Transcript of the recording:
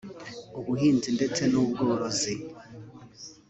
ubuhinzi ndetse n’ubworozi